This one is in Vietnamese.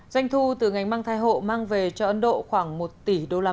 doanh thu từ ngành mang thai hộ mang về cho ấn độ khoảng một tỷ usd mỗi lần